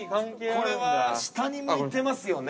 ◆これは下に向いてますよね。